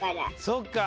そっか。